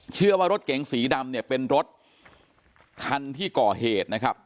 เชื่อว่ารถเก๋งสีดำเนี่ยเป็นรถคันที่ก่อเหตุนะครับ